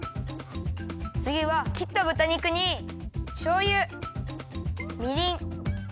つぎはきったぶた肉にしょうゆみりん